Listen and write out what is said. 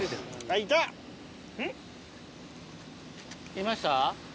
いました？